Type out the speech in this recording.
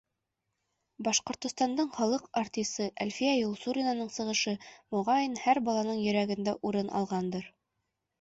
Башҡортостандың халыҡ артисы Әлфиә Юлсуринаның сығышы, моғайын, һәр баланың йөрәгендә урын алғандыр.